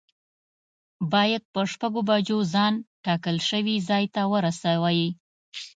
باید په شپږو بجو ځان ټاکل شوي ځای ته ورسوی.